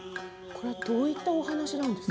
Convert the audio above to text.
どういうお話しなんですか。